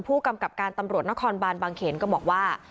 ผู้กำกับการตำรวจนครบานบางเขนก็บอกว่า